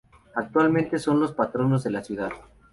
Actualmente son los patronos de la ciudad.